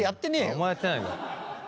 お前やってないんだ。